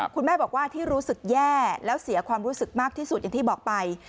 คุณแม่บอกว่าที่รู้สึกแย่แล้วเสียความรู้สึกมากที่สุดอย่างที่บอกไป